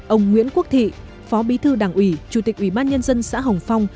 ông nguyễn quốc thị phó bí thư đảng ủy chủ tịch ủy ban nhân dân xã hồng phong